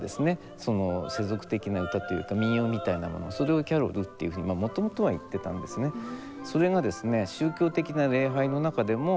その世俗的な歌っていうか民謡みたいなものそれをキャロルっていうふうにもともとは言ってたんですね。